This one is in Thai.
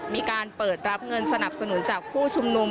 มีการเปิดรับเงินสนับสนุนจากผู้ชุมนุม